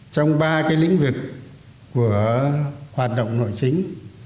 trong ba cái lĩnh vực của hoạt động nội chính